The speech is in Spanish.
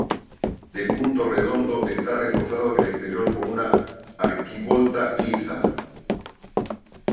De punto redondo, está reforzado en el exterior con una arquivolta lisa.